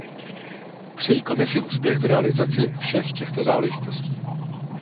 Přeji Komisi úspěch v realizaci všech těchto záležitostí.